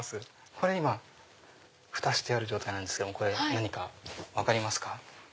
これ今フタしてる状態なんですけども何か分かりますか？